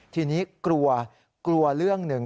ทีนี้กลัวกลัวเรื่องหนึ่ง